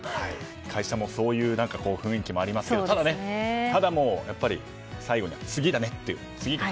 会社もそういう雰囲気もありますがただ、やっぱりもう次だねって。